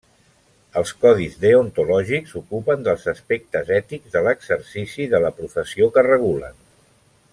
Els codis deontològics s'ocupen dels aspectes ètics de l'exercici de la professió que regulen.